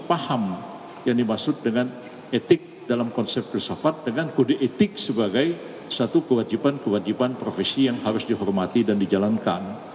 paham yang dimaksud dengan etik dalam konsep filsafat dengan kode etik sebagai satu kewajiban kewajiban profesi yang harus dihormati dan dijalankan